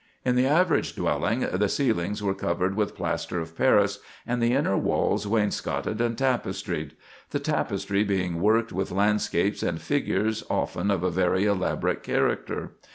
In the average dwelling the ceilings were covered with plaster of Paris, and the inner walls wainscoted and tapestried; the tapestry being worked with landscapes and figures often of a very elaborate character.